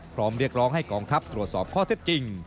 พร้อมเรียกร้องให้กองทัพตรวจสอบข้อเท็จจริง